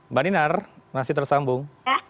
mbak dinar masih tersambung